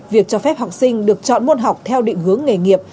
việc cho phép học sinh được chọn môn học theo định hướng nghề nghiệp